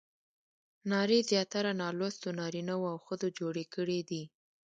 نارې زیاتره نالوستو نارینه وو او ښځو جوړې کړې دي.